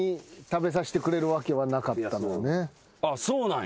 あっそうなんや。